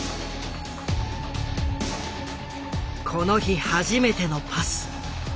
この日初めてのパス。